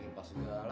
mimpi pak segala